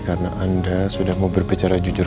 karena anda sudah mau berbicara jujur